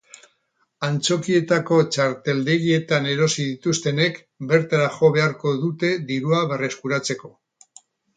Antzokietako txarteldegietan erosi dituztenek, bertara jo beharko dute dirua berreskuratzeko.